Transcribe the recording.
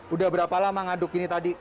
udah berapa lama ngaduk ini tadi